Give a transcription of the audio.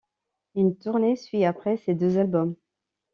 Une tournée suit après ces deux albums.